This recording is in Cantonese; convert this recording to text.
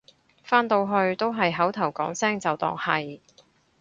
返到去都係口頭講聲就當係